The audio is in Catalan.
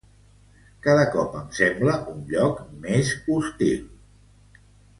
Cada cop em sembla un lloc més hostil.